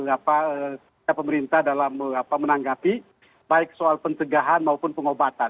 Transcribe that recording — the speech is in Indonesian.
apa pemerintah dalam menanggapi baik soal pencegahan maupun pengobatan